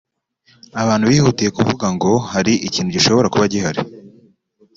Abantu bihutiye kuvuga ngo hari ikintu gishobora kuba gihari